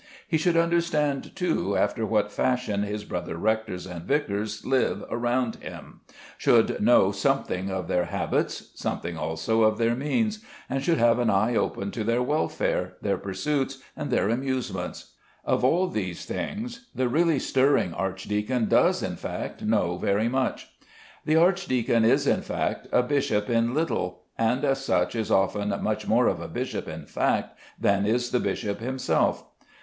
He should understand, too, after what fashion his brother rectors and vicars live around him, should know something of their habits, something also of their means, and should have an eye open to their welfare, their pursuits, and their amusements. Of all these things the really stirring archdeacon does in fact know very much. The archdeacon is, in fact, a bishop in little, and as such is often much more of a bishop in fact than is the bishop himself.